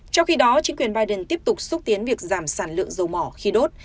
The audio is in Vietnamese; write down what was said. trong khi đó chính quyền biden tiếp tục xúc tiến việc giảm sản lượng dầu mỏ khí đốt